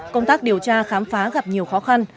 công tác điều tra khám phá gặp nhiều khó khăn